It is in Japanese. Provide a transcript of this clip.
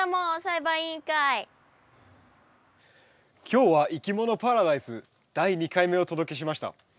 今日は「いきものパラダイス」第２回目をお届けしました。